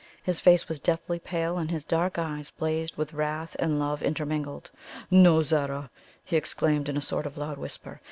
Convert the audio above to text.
His face was deathly pale, and his dark eyes blazed with wrath and love intermingled. "No, Zara!" he exclaimed in a sort of loud whisper.